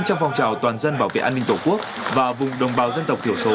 trong phong trào toàn dân bảo vệ an ninh tổ quốc và vùng đồng bào dân tộc thiểu số